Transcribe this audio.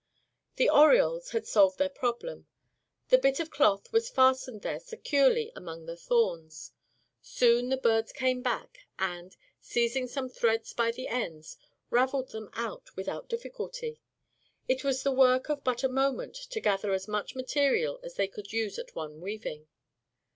The orioles had solved their problem; the bit of cloth was fastened there securely among the thorns. Soon the birds came back and, seizing some threads by the ends, raveled them out without difficulty. It was the work of but a moment to gather as much material as they could use at one weaving.